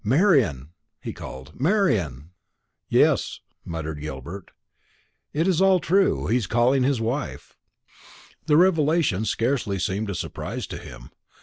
"Marian!" he called. "Marian!" "Yes," muttered Gilbert, "it is all true. He is calling his wife." The revelation scarcely seemed a surprise to him.